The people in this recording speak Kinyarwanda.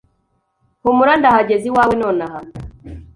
Humura ndahageze iwawe nonaha ,